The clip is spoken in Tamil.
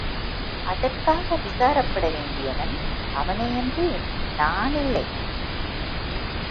அதற்காக விசாரப்பட வேண்டியவன் அவனேயன்றி நானில்லை.